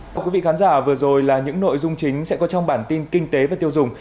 thưa quý vị khán giả vừa rồi là những nội dung chính sẽ có trong bản tin kinh tế và tiêu dùng